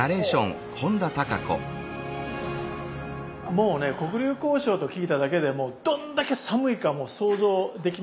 もうね黒竜江省と聞いただけでどんだけ寒いかもう想像できました。